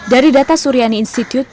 dari data suriani institute